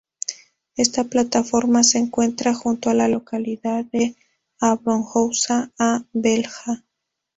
Esta plataforma se encuentra junto a la localidad de Abrunhosa-a-Velha.